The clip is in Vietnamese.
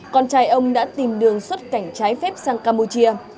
con trai ông đã tìm đường xuất cảnh trái phép sang campuchia